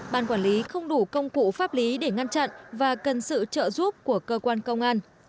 ban quản lý không đủ công cụ pháp lý để ngăn chặn và cần sự trợ giúp của cơ quan công an